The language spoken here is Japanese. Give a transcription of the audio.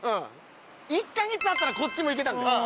１か月あったらこっちも行けたんだよ。